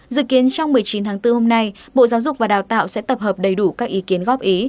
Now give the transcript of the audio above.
dự kiến trong một mươi chín tháng bốn hôm nay bộ giáo dục và đào tạo sẽ tập hợp đầy đủ các ý kiến góp ý